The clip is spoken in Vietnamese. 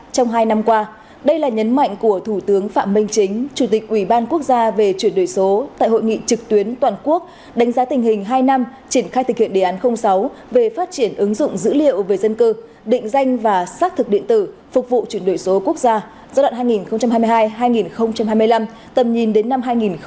trong hai năm qua đây là nhấn mạnh của thủ tướng phạm minh chính chủ tịch ủy ban quốc gia về chuyển đổi số tại hội nghị trực tuyến toàn quốc đánh giá tình hình hai năm triển khai thực hiện đề án sáu về phát triển ứng dụng dữ liệu về dân cư định danh và xác thực điện tử phục vụ chuyển đổi số quốc gia giai đoạn hai nghìn hai mươi hai hai nghìn hai mươi năm tầm nhìn đến năm hai nghìn ba mươi